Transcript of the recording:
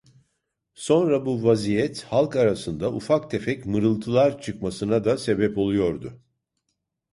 Sonra bu vaziyet, halk arasında ufak tefek mırıltılar çıkmasına da sebep oluyordu…